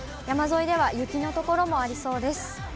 山沿いでは雪の所もありそうです。